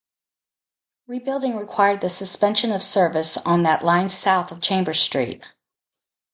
Rebuilding required the suspension of service on that line south of Chambers Street.